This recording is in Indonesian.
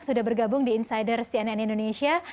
sudah bergabung di insider cnn indonesia